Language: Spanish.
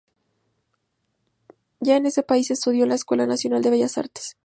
Ya en ese país estudió en la Escuela Nacional de Bellas Artes.